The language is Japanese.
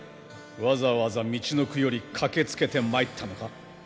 わざわざみちのくより駆けつけてまいったのか？